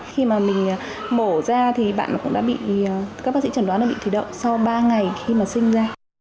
khi mà mình mổ ra thì các bác sĩ trần đoán là bị thủy đậu sau ba ngày khi mà sinh ra